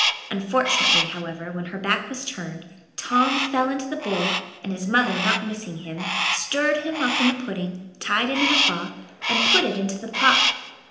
Unfortunately, however, when her back was turned, Tom fell into the bowl, and his mother, not missing him, stirred him up in the pudding, tied it in a cloth, and put it into the pot.